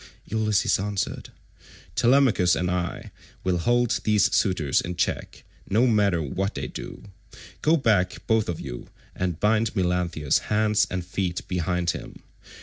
Ulysses answered, "Telemachus and I will hold these suitors in check, no matter what they do; go back both of you and bind Melanthius' hands and feet behind him.